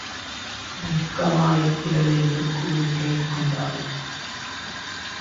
வெட்கமா யிருக்கிறது என்று கூறி விலகிக் கொண்டாள்!